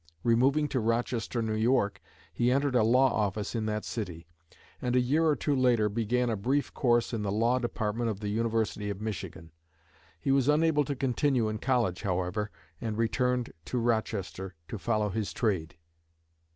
Removing to Rochester, N.Y., he entered a law office in that city; and a year or two later began a brief course in the law department of the University of Michigan. He was unable to continue in college, however, and returned to Rochester to follow his trade.